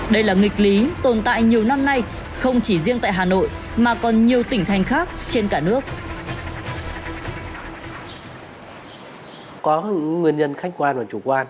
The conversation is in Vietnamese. đây là nghịch lý tồn tại nhiều năm nay không chỉ riêng tại hà nội mà còn nhiều tỉnh thành khác trên cả nước